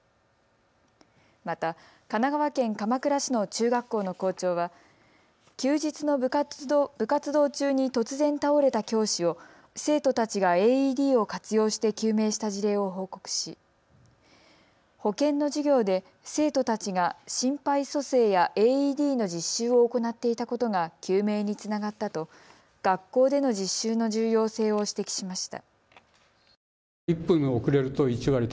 また、神奈川県鎌倉市の中学校の校長は休日の部活動中に突然倒れた教師を生徒たちがＡＥＤを活用して救命した事例を報告し保健の授業で生徒たちが心肺蘇生やＡＥＤの実習を行っていたことが救命につながったと学校での実習の重要性を指摘しました。